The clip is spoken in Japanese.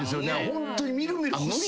ホントに見る見る。